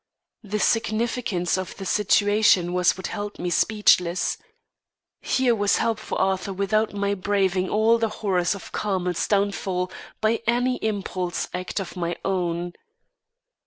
The significance of the situation was what held me speechless. Here was help for Arthur without my braving all the horrors of Carmel's downfall by any impulsive act of my own.